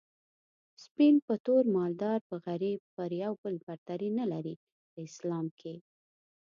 سپين په تور مالدار په غريب پر يو بل برتري نلري په اسلام کي